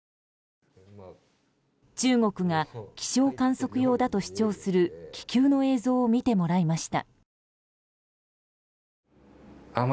中国が気象観測用だと主張する気球の映像を見てもらいました。